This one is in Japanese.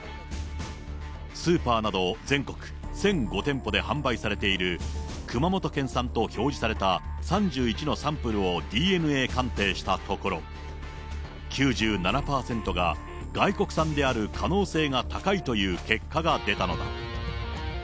スーパーなど、全国１００５店舗で販売されている熊本県産と表示された３１のサンプルをＤＮＡ鑑定したところ、９７％が外国産である可能性が高いという結果が出たのだ。